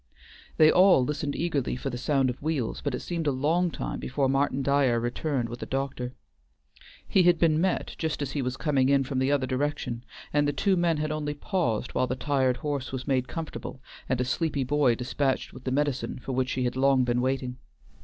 They all listened eagerly for the sound of wheels, but it seemed a long time before Martin Dyer returned with the doctor. He had been met just as he was coming in from the other direction, and the two men had only paused while the tired horse was made comfortable, and a sleepy boy dispatched with the medicine for which he had long been waiting.